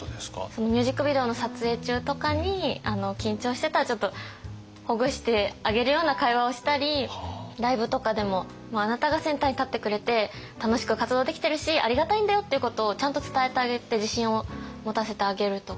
ミュージックビデオの撮影中とかに緊張してたらちょっとほぐしてあげるような会話をしたりライブとかでも「あなたがセンターに立ってくれて楽しく活動できてるしありがたいんだよ」っていうことをちゃんと伝えてあげて自信を持たせてあげるとか。